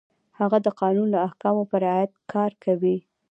هغه د قانون د احکامو په رعایت کار کوي.